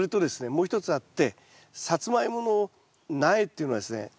もう一つあってサツマイモの苗っていうのはですね